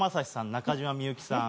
中島みゆきさん